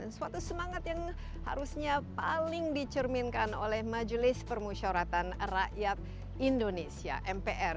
dan suatu semangat yang harusnya paling dicerminkan oleh majulis permusyawaratan rakyat indonesia mpr